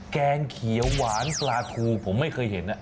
แกงเขียวหวานปลาทูผมไม่เคยเห็น